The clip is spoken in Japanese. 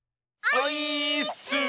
オイーッス！